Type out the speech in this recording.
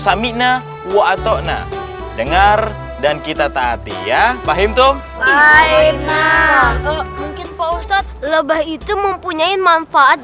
samina watokna dengar dan kita taati ya pak hinton mungkin pak ustadz lebah itu mempunyai manfaat